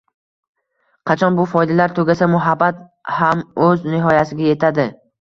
Qachon bu foydalar tugasa muhabbat hamo‘z nihoyasiga yetadi